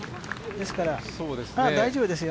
ですから、大丈夫です。